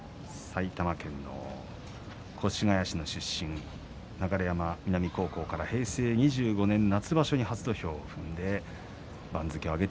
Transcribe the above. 埼玉県の越谷市出身流山南高校から平成２５年初場所で初土俵。